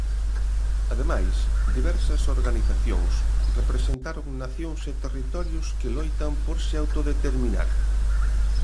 Ademais, diversas organizacións representaron nacións e territorios que loitan por se autodeterminar.